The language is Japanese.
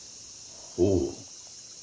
ほう。